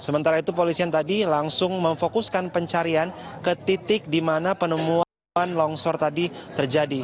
sementara itu polisian tadi langsung memfokuskan pencarian ke titik di mana penemuan longsor tadi terjadi